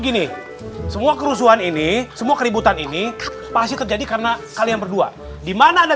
gini semua kerusuhan ini semua keributan ini pasti terjadi karena kalian berdua dimana anda